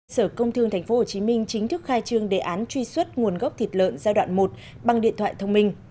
sở công thương tp hcm chính thức khai trương đề án truy xuất nguồn gốc thịt lợn giai đoạn một bằng điện thoại thông minh